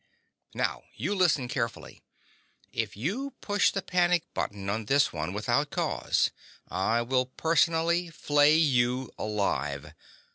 Now, you listen carefully: If you push the panic button on this one without cause, I will personally flay you alive.